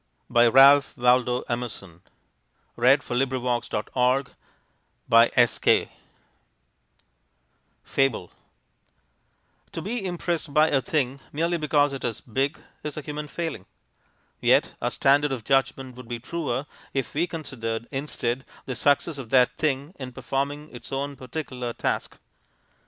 Alfred Tennyson. [Illustration: EVERARD JACK APPLETON] FABLE To be impressed by a thing merely because it is big is a human failing. Yet our standard of judgment would be truer if we considered, instead, the success of that thing in performing its own particular task.